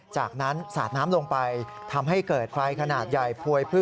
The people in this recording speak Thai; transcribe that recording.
จากนั้นสาดน้ำลงไปทำให้เกิดไฟขนาดใหญ่